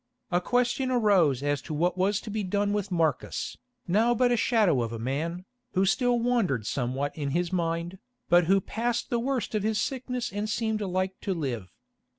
A question arose as to what was to be done with Marcus, now but a shadow of a man, who still wandered somewhat in his mind, but who had passed the worst of his sickness and seemed like to live.